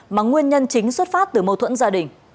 mà nguyên nhân chính xuất phát từ mâu thuẫn gia đình